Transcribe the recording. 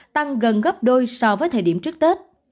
tăng gần gấp đôi so với thời điểm trước tết